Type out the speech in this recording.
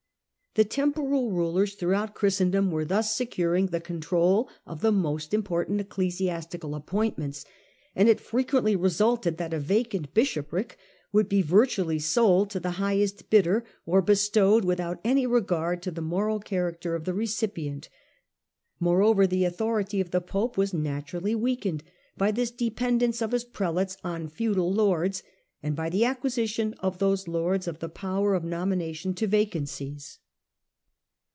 The temporal rulers through out Christendom were thus securing the control of the most important ecclesiastical appointments, and it frequently resulted that a vacant bishopric would be virtually sold to the highest bidder, or bestowed without any regard to the moral character of the recipient. Moreover, the authority of the Pope was naturally weakened by this dependence of his prelates on feudal lords and by the acquisition of those lords of the power of nomination to vacancies.